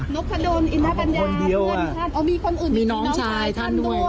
นกพะดนอินทะปัญญาคนเดียวอ่ะมีคนอื่นมีน้องชายท่านด้วย